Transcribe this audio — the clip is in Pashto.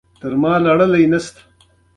ګواکې اصلاً په دې معنا نه پېژندله